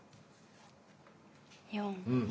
４。